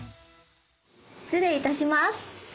失礼いたします。